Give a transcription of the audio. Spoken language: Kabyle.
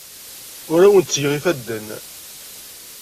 Ur awen-ttgeɣ ifadden.